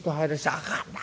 「あかん！